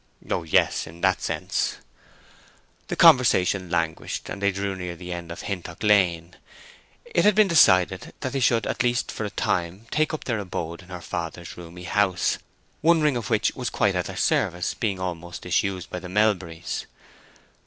"Oh yes—in that sense." The conversation languished, and they drew near the end of Hintock Lane. It had been decided that they should, at least for a time, take up their abode in her father's roomy house, one wing of which was quite at their service, being almost disused by the Melburys.